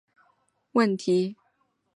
使用贫穷门槛会有很多问题。